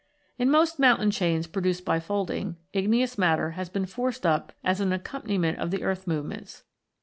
In most mountain chains produced by folding, igneous matter has been forced up as an accompani ment of the earth movements.